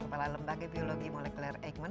kepala lembaga biologi molecular eggman